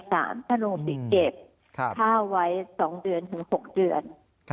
ถ้าหนูติเก็บค่าไว้๒เดือนถึง๖เดือน